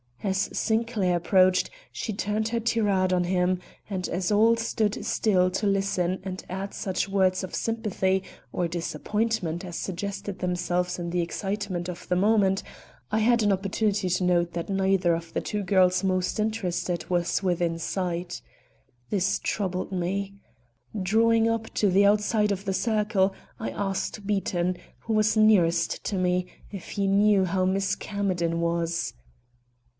As Sinclair approached, she turned her tirade on him, and as all stood still to listen and add such words of sympathy or disappointment as suggested themselves in the excitement of the moment, I had an opportunity to note that neither of the two girls most interested was within sight. This troubled me. Drawing up to the outside of the circle, I asked Beaton, who was nearest to me, if he knew how Miss Camerden was.